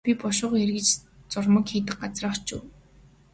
Би бушуухан эргэж зуурмаг хийдэг газраа очив.